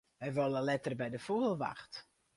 Wy wolle letter by de fûgelwacht.